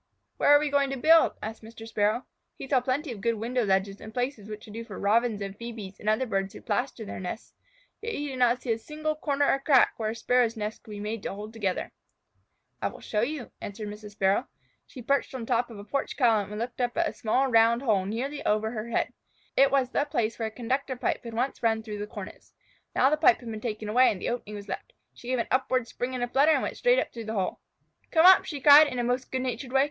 "Where are we going to build?" asked Mr. Sparrow. He saw plenty of good window ledges and places which would do for Robins and Phœbes and other birds who plaster their nests. Yet he did not see a single corner or big crack where a Sparrow's nest could be made to hold together. "I will show you," answered Mrs. Sparrow. She perched on the top of a porch column and looked up at a small round hole nearly over her head. It was the place where a conductor pipe had once run through the cornice. Now the pipe had been taken away and the opening was left. She gave an upward spring and flutter and went straight up through the hole. "Come up!" she cried in the most good natured way.